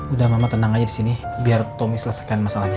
udah tenang di sini kukutumi selesaikan masalahnya